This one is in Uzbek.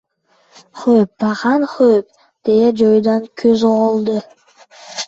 — Xo‘p, paxan, xo‘p, — deya joyidan ko‘zg‘oldi.